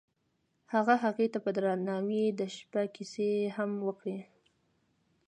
هغه هغې ته په درناوي د شپه کیسه هم وکړه.